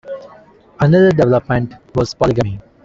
Another development was polygamy.